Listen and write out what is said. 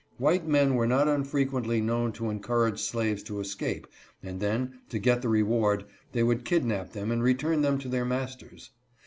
White men were not unfrequently known to encourage slaves to escape, and then, to get the reward, they would kidnap them and return them to their masters.